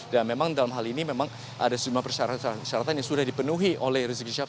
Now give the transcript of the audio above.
dan memang dalam hal ini memang ada semua persyaratan persyaratan yang sudah dipenuhi oleh rizki syaf